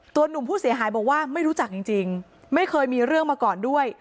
หนุ่มผู้เสียหายบอกว่าไม่รู้จักจริงไม่เคยมีเรื่องมาก่อนด้วย